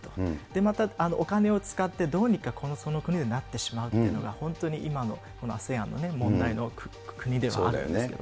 またお金を使って、どうにかこのになってしまうというのが、本当に今のこのＡＳＥＡＮの問題の国ではあるんですけども。